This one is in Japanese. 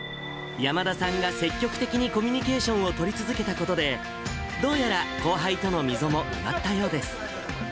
山田さんが積極的にコミュニケーションを取り続けたことで、どうやら後輩との溝も埋まったようです。